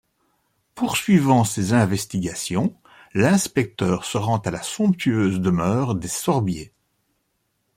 Poursuivant ses investigations, l'inspecteur se rend à la somptueuse demeure des Sorbier.